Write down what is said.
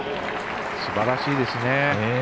すばらしいですね。